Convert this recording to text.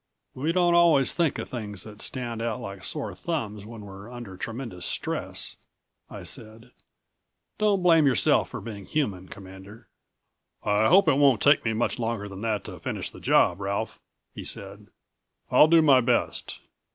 "We don't always think of things that stand out like sore thumbs when we're under tremendous stress," I said. "Don't blame yourself for being human, Commander." "I hope it won't take me much longer than that to finish the job, Ralph," he said. "I'll do my best.